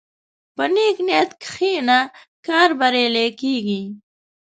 په نیک نیت کښېنه، کار بریالی کېږي.